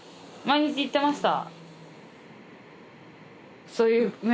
毎日行ってました。